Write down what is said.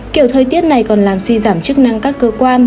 kiểu thời tiết này còn làm suy giảm chức năng các cơ quan